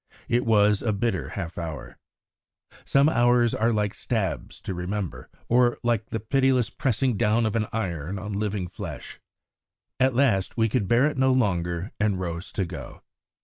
It was a bitter half hour. Some hours are like stabs to remember, or like the pitiless pressing down of an iron on living flesh. At last we could bear it no longer, and rose to go.